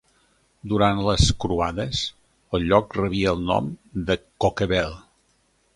Durant les croades el lloc rebia el nom de Coquebel.